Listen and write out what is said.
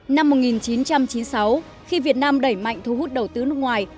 năm một nghìn chín trăm chín mươi sáu khi việt nam đẩy mạnh thu hút đầu tư nước ngoài